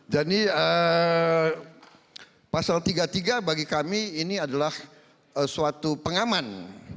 jadi pasal tiga puluh tiga bagi kami ini adalah suatu pengaman